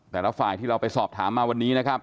แต่ละฝ่ายที่เราไปสอบถามมาวันนี้นะครับ